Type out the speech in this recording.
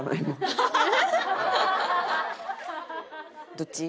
どっち？